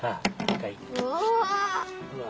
うわ。